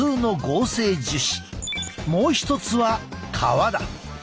もう一つは革だ。